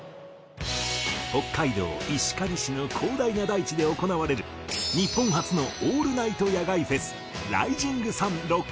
北海道石狩市の広大な大地で行われる日本初のオールナイト野外フェス